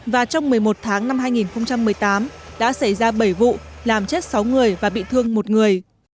và trong một mươi một tháng năm hai nghìn một mươi tám đã xảy ra bảy vụ làm chết sáu người và bị thương một người